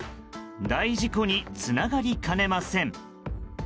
大事故につながりかねません。